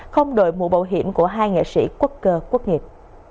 không đổi mũ bảo hiểm của hai nghệ sĩ quốc cơ quốc nghiệp